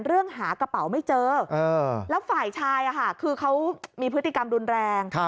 เรื่องหากระเป๋าไม่เจอแล้วฝ่ายชายคือเขามีพฤติกรรมรุนแรง